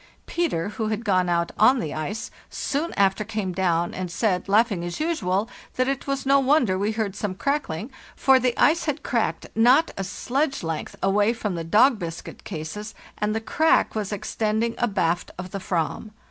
Peter, who had gone out on the ice, soon after came down and said, laughing as usual, that it was no wonder we heard some crackling, for the ice had cracked not a sledge length away from the dog biscuit cases, and the crack was extending abaft of the Fram.